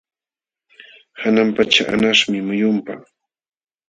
Hanan pacha anqaśhmi muyunpa.